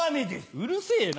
うるせぇな！